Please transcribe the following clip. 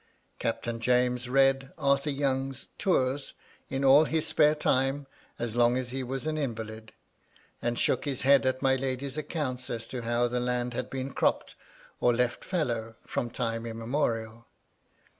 Captain James read Arthur Young's * Tours ' in all his spare time, as long as he was an invalid ; and MY LADY LUDLOW. 311 shook his head at my lady's accounts as to how the land had heen cropped or left fallow from time imme morial.